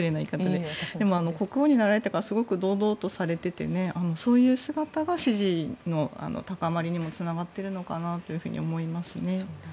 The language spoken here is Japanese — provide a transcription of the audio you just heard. でも、国王になられてからすごく堂々とされていてそういう姿が支持の高まりにもつながっているのかなと思いますね。